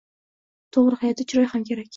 To‘g‘ri, hayotda chiroy ham kerak.